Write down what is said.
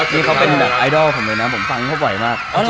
นี่เขาเป็นแบบไอดอลผมเลยนะผมฟังเขาบ่อยมาก